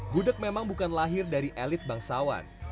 gudeg memang bukan lahir dari elit bangsawan